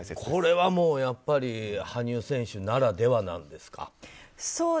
これはもう、やっぱり羽生選手ならではなんですか？